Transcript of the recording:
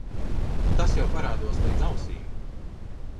Tas jau parādos līdz ausīm.